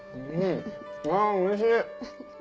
うんあおいしい。